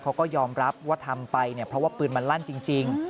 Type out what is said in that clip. เขาก็ยอมรับว่าทำไปเนี่ยเพราะว่าปืนมันลั่นจริง